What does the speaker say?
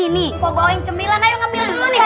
nih mau bawa yang cemilan ayo ngambil dulu nih